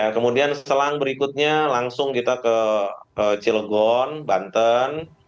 kemudian selang berikutnya langsung kita ke cilegon banten